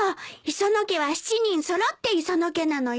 磯野家は７人揃って磯野家なのよ。